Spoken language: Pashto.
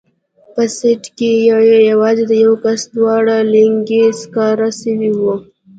په سيټ کښې يې يوازې د يوه کس دواړه لينگي سکاره سوي وو.